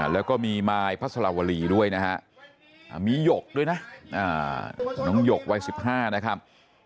แล้วก็มีมายพระสลาวรีด้วยนะฮะมีหยกด้วยนะน้องหยกวัย๑๕นะครับ